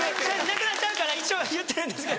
なくなっちゃうから一応言うてるんです。